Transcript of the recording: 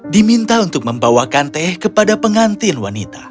diminta untuk membawakan teh kepada pengantin wanita